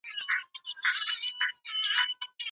په قلم خط لیکل د ساینس پوهانو او پوهانو لومړنۍ وسیله وه.